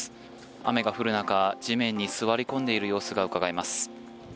雨が降る中地面に座り込んでいる様子がうかがえます。